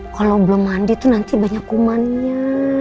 kalau belum mandi tuh nanti banyak umannya